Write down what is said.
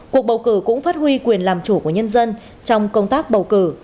cuộc bầu cử cũng phát huy quyền làm chủ của nhân dân trong công tác bầu cử